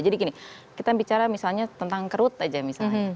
jadi gini kita bicara misalnya tentang kerut aja misalnya